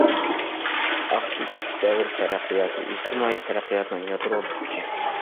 ئاكتىپ كۈچ دەۋر تەرەققىياتى، ئىجتىمائىي تەرەققىياتنىڭ يادرولۇق كۈچى.